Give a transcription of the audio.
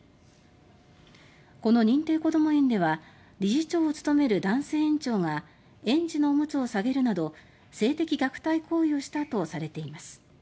この認定こども園では理事長をつとめる男性園長が園児のオムツを下げるなど性的虐待行為をしたとされています。